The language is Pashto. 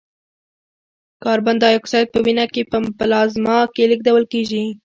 کاربن دای اکساید په وینه کې په پلازما کې لېږدول کېږي.